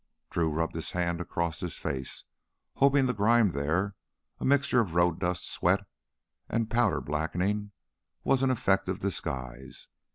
Drew rubbed his hand across his face, hoping the grime there a mixture of road dust, sweat, and powder blacking was an effective disguise.